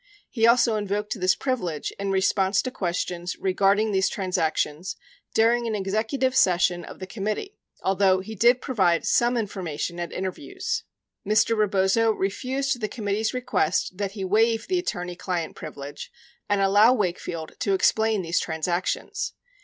74 He also invoked this privilege in response to questions re garding these transactions during an executive session of the com mittee, although he did provide some information at interviews. 75 Mr. Rebozo refused the committee's request that he waive the attorney client privilege and allow Wakefield to explain these transactions.